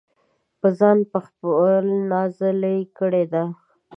پۀ ځان پۀ خپله نازلې کړي دي -